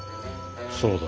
そうだ。